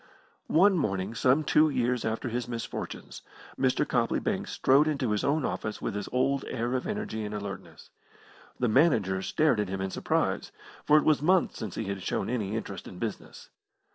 One morning, some two years after his misfortunes, Mr. Copley Banks strode into his own office with his old air of energy and alertness. The manager stared at him in surprise, for it was months since he had shown any interest in business.